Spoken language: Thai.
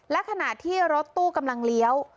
และขณะที่รถตู้กำลังเลี้ยว